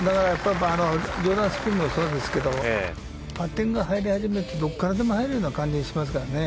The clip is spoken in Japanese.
ジョーダン・スピースもそうですけどパッティングが入り始めるとどこからでも入るような感じがしますからね。